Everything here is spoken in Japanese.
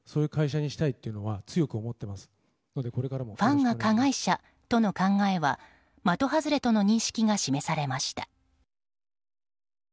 ファンが加害者との考えは的外れとの認識が示されました。